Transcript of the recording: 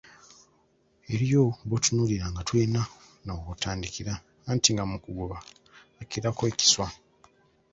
Eriyo botunuulira nga tolina na womutandikira, anti nga mu kuguba akirako ekiswa.